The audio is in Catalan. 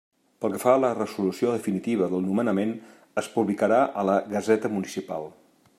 Pel que fa a la resolució definitiva del nomenament, es publicarà a la Gaseta Municipal.